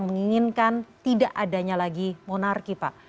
menginginkan tidak adanya lagi monarki pak